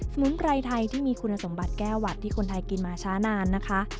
มุนไพรไทยที่มีคุณสมบัติแก้วหวัดที่คนไทยกินมาช้านานนะคะ